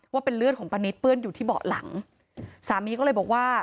ว่าเป็นเลือดของป้านิตเปื้อนอยู่ที่เบาะหลังสามีก็เลยบอกว่า